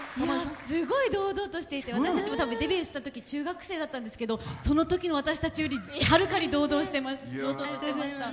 すごい堂々としていて私たちもデビューしたとき中学生だったんですけどそのときの私たちよりはるかに堂々としてました。